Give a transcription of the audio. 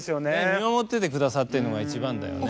見守っててくださってるのが一番だよね。